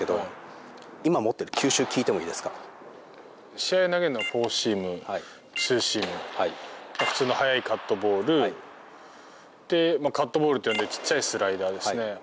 試合で投げるのはフォーシーム、ツーシーム普通の速いカットボールで、カットボールと呼んでる小さいスライダーですね。